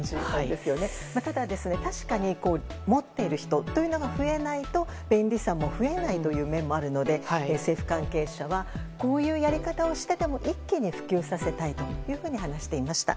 ただ、確かに持っている人が増えないと便利さも増えないという面もあるので政府関係者はこういうやり方をしてでも一気に普及させたいというふうに話していました。